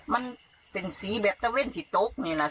มันเป็นสีแบบเต้าเว่นที่โต๊ะไงล่ะ